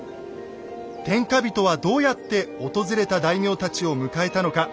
天下人はどうやって訪れた大名たちを迎えたのか。